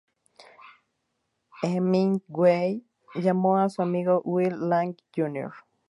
Hemingway llamó a su amigo Will Lang Jr.